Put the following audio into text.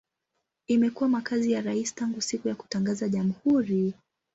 Imekuwa makazi ya rais tangu siku ya kutangaza jamhuri.